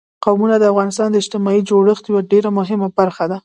قومونه د افغانستان د اجتماعي جوړښت یوه ډېره مهمه برخه ده.